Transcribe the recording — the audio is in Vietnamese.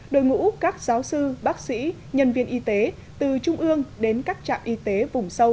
đội ngũ các giáo sư bác sĩ nhân viên y tế từ trung ương đến các trạm y tế vùng sâu